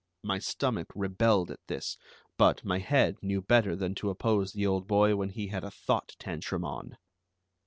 My stomach rebelled at this, but my head knew better than to oppose the old boy when he had a thought tantrum on.